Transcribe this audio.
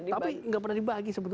tapi nggak pernah dibagi sebetulnya